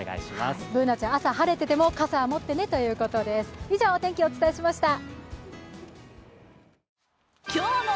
Ｂｏｏｎａちゃん、朝晴れてても傘は持ってねということでした。